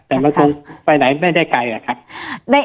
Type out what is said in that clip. แต่มันคงไปไหนไม่ได้ไกลอะครับ